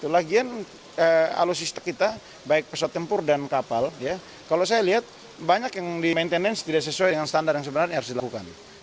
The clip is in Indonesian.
lagian alutsista kita baik pesawat tempur dan kapal kalau saya lihat banyak yang di maintenance tidak sesuai dengan standar yang sebenarnya harus dilakukan